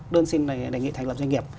đơn xin đề nghị thành lập doanh nghiệp